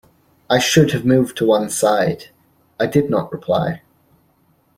I should have moved to one side. I did not reply.